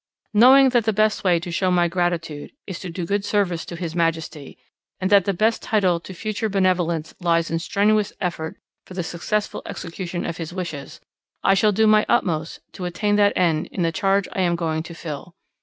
Knowing that the best way to show my gratitude is to do good service to His Majesty, and that the best title to future benevolence lies in strenuous effort for the successful execution of his wishes, I shall do my utmost to attain that end in the charge I am going to fill.